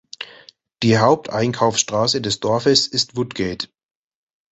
Die Haupteinkaufsstraße des Dorfes ist Woodgate.